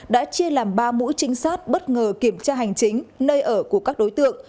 đã chia làm ba mũi trinh sát bất ngờ kiểm tra hành chính nơi ở của các đối tượng